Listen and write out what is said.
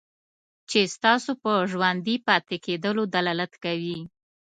چې ستاسو په ژوندي پاتې کېدلو دلالت کوي.